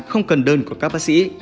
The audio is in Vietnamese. không cần đơn của các bác sĩ